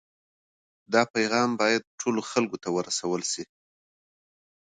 دا پیغام باید ټولو خلکو ته ورسول سي.